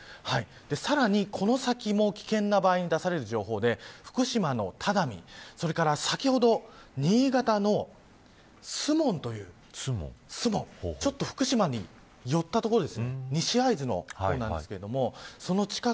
さらに、この先も危険な場合に出される情報で福島の只見それから先ほど、新潟の守門というちょっと福島に寄った所です。